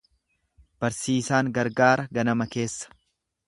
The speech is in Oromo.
Barsiisaan gargaara ganama keessa.